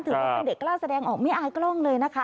ถือว่าเป็นเด็กกล้าแสดงออกไม่อายกล้องเลยนะคะ